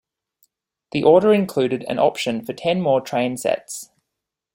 The order included an option for ten more trainsets.